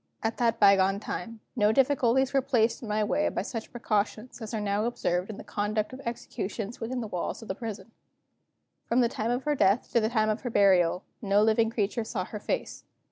At that bygone time, no difficulties were placed in my way by such precautions as are now observed in the conduct of executions within the walls of the prison. From the time of her death to the time of her burial, no living creature saw her face.